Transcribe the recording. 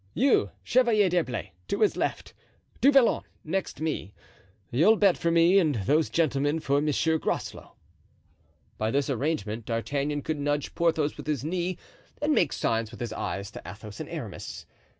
You, Chevalier d'Herblay, to his left. Du Vallon next me. You'll bet for me and those gentlemen for Monsieur Groslow." By this arrangement D'Artagnan could nudge Porthos with his knee and make signs with his eyes to Athos and Aramis.